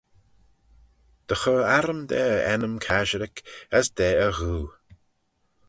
Dy chur arrym da e ennym casherick as da e ghoo.